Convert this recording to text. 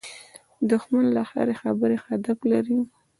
دښمن له هرې خبرې هدف لري